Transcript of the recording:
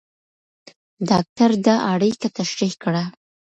ډاکټر دا اړیکه تشریح کړه.